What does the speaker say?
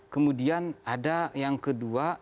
kemudian ada yang kedua